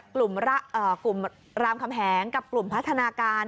กลุ่มร่าเอ่อกลุ่มรามคำแหงกับกลุ่มพัฒนาการ